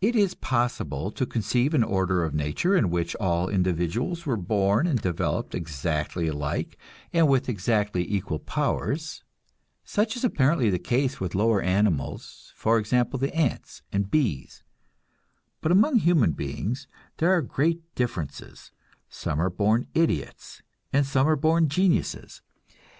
It is possible to conceive an order of nature in which all individuals were born and developed exactly alike and with exactly equal powers. Such is apparently the case with lower animals, for example the ants and the bees. But among human beings there are great differences; some are born idiots and some are born geniuses.